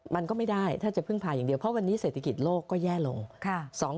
มันก็ไม่ได้ถ้าจะพึ่งพาอย่างเดียวเพราะวันนี้เศรษฐกิจโลกก็แย่ลง